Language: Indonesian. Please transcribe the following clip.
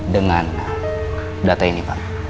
dengan data ini pak